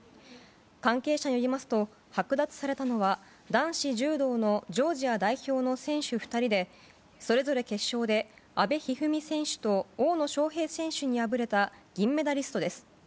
関係者によりますと剥奪されたのは男子柔道のジョージア代表の選手２人でそれぞれ、決勝で阿部一二三選手と大野将平選手に敗れた銀メダリストです。